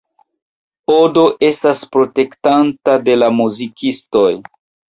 Odo estas protektanto de la muzikistoj.